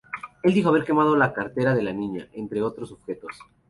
Él dijo haber quemado la cartera de la niña, entre otros objetos.